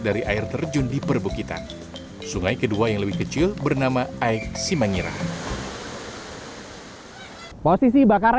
dari air terjun di perbukitan sungai kedua yang lebih kecil bernama aik simangirah posisi bakar